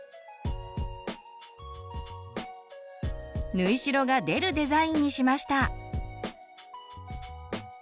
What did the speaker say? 縫い代が出るデザインにしました。